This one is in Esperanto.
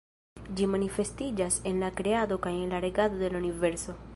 Ĝi manifestiĝas en la kreado kaj en la regado de la universo.